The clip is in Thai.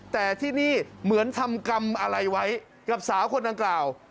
แต่ที่นี่เหมือนทำกรรมอะไรไว้กับสาวคนดังกล่าว